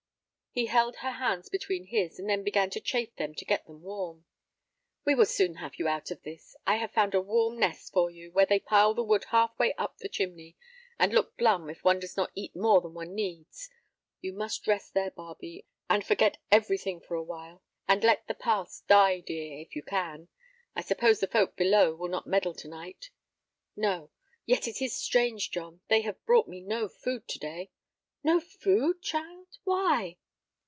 He held her hands between his, and then began to chafe them to get them warm. "We will soon have you out of this. I have found a warm nest for you, where they pile the wood half way up the chimney, and look glum if one does not eat more than one needs. You must rest there, Barbe, and forget everything for a while, and let the past die, dear, if you can. I suppose the folk below will not meddle to night?" "No. Yet it is strange, John, they have brought me no food to day." "No food, child! Why?"